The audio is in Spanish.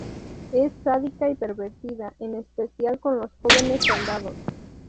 Es sádica y pervertida, en especial con los jóvenes soldados.